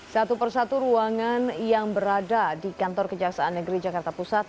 satu persatu ruangan yang berada di kantor kejaksaan negeri jakarta pusat